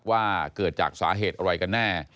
ว่าเกิดจากสาเหตุอะไรกันแน่